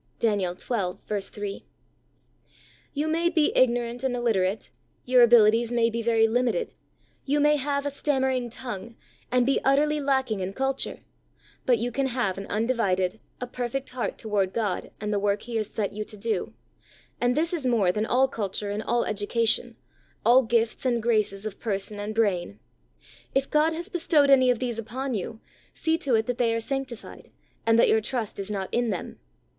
(Dan. 12: 3.) You may be ignorant and illiterate, your abilities may be very limited, you may have a stammering tongue, and be utterly lacking in culture, but you can have an undivided, a perfect heart toward God and the work He has set } ou to do, and this is more than all culture and all education, all gifts and graces of person and brain. If God has H 98 THE soul winner's secret. bestowed any of these upon you, see to it that they are sanctified, and that your trust is not in them.